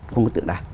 không có tượng đài